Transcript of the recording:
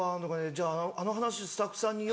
じゃああの話スタッフさんに言おっかな。